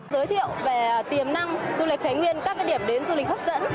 giới thiệu về tiềm năng du lịch thái nguyên các điểm đến du lịch hấp dẫn